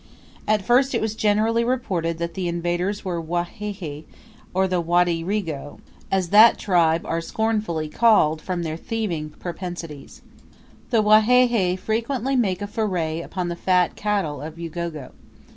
At first it was generally reported that the invaders were Wahehe, or the Wadirigo, as that tribe are scornfully called from their thieving propensities. The Wahehe frequently make a foray upon the fat cattle of Ugogo.